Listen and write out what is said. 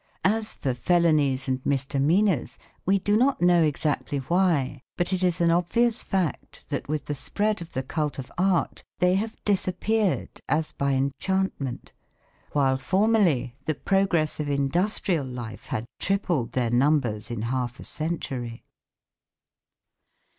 As for felonies and misdemeanours, we do not know exactly why, but it is an obvious fact that with the spread of the cult of art they have disappeared as by enchantment, while formerly the progress of industrial life had tripled their numbers in half a century.